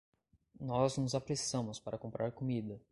Nós nos apressamos para comprar comida.